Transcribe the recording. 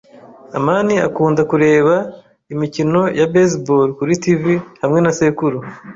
amani akunda kureba imikino ya baseball kuri TV hamwe na sekuru.